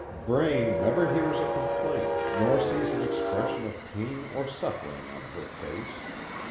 Braine never hears a complaint, nor sees an expression of pain or suffering on her face.